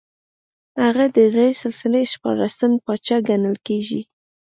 هغه د دې سلسلې شپاړسم پاچا ګڼل کېږي